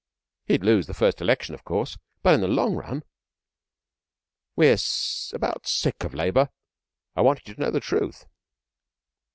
He'd lose the first election, of course, but in the long run.... We're about sick of Labour. I wanted you to know the truth.'